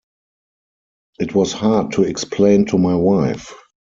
It was hard to explain to my wife.